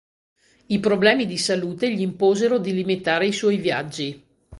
I problemi di salute gli imposero di limitare i suoi viaggi.